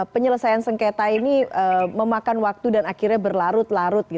penyelesaian sengketa ini memakan waktu dan akhirnya berlarut larut